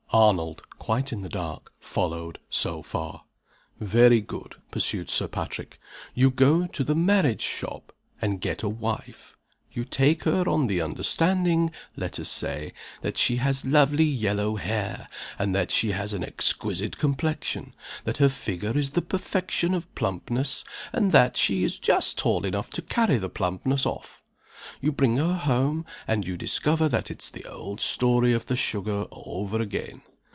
Arnold (quite in the dark) followed, so far. "Very good," pursued Sir Patrick. "You go to the marriage shop, and get a wife. You take her on the understanding let us say that she has lovely yellow hair, that she has an exquisite complexion, that her figure is the perfection of plumpness, and that she is just tall enough to carry the plumpness off. You bring her home, and you discover that it's the old story of the sugar over again.